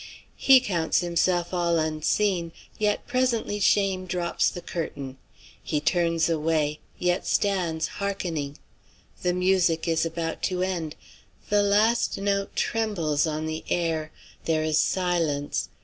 He counts himself all unseen, yet presently shame drops the curtain. He turns away, yet stands hearkening. The music is about to end. The last note trembles on the air. There is silence.